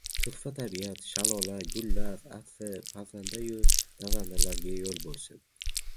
Turfa tabiat, shalola, gullar atri, parrandayu darrandalarga yo‘l bo‘lsin!